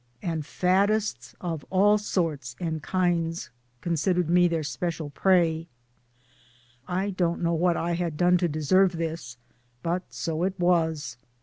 And faddists of all sorts and kinds considered me their special prey. I don't know what I had done to deserve this but so it was.